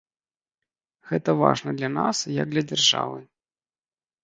Гэта важна для нас, як для дзяржавы.